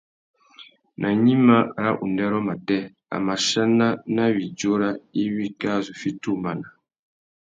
Nà gnïmá râ undêrô matê, a mà chana nà widjura iwí kā zu fiti umana.